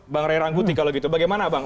bang ray rangkuti kalau gitu bagaimana bang